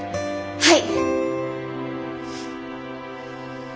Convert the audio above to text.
はい。